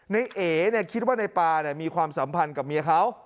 นายเอกเนี่ยคิดว่าในป่าเนี่ยมีความสัมพันธ์กับเมียเขา